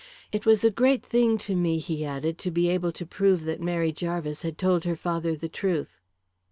"It was a great thing to me," he added, "to be able to prove that Mary Jarvis had told her father the truth."